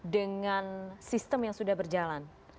dengan sistem yang sudah berjalan